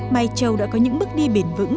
mai châu đã có những bước đi bền vững